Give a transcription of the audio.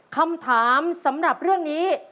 คำถามสำหรับเรื่องนี้